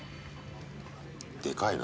でかいな。